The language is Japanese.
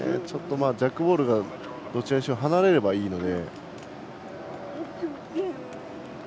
ジャックボールがどちらにせよ離れればいいので。